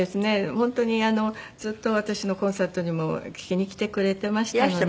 本当にずっと私のコンサートにも聴きに来てくれてましたので。